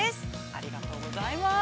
ありがとうございます。